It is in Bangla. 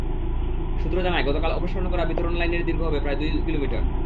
সূত্র জানায়, গতকাল অপসারণ করা বিতরণ লাইনের দৈর্ঘ্য হবে প্রায় দুই কিলোমিটার।